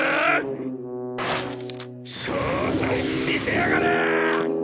正体見せやがれ！